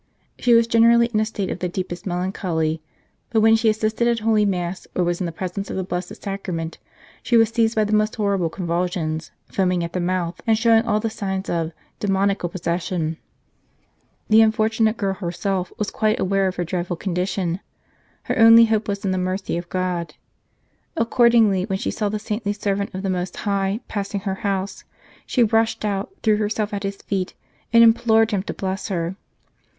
She was generally in a state of the deepest melancholy, but when she assisted at Holy Mass or was in presence of the Blessed Sacrament she was seized by the most horrible convulsions, foam ing at the mouth and showing all the signs of demoniacal possession. The unfortunate girl herself was quite aware of her dreadful condition. Her only hope was in the mercy of God. Accordingly, when she saw the saintly servant of the Most High passing her house, she rushed out, threw herself at his feet, and implored him to bless her.